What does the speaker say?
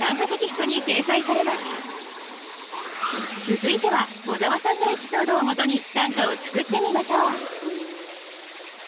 続いては小沢さんのエピソードをもとに短歌を作ってみましょう。